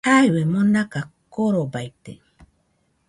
Jaiue nomaka korobaite